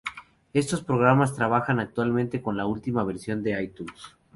Estos programas trabajan actualmente con la última versión de iTunes.